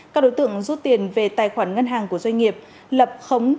các đối tượng rút tiền về tài khoản ngân hàng của doanh nghiệp lập khống